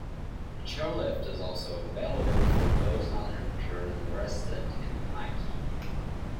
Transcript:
A chairlift is also available for those not interested in hiking.